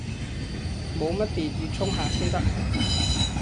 冇乜電，要充下先得